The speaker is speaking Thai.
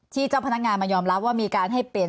เจ้าพนักงานมายอมรับว่ามีการให้เปลี่ยน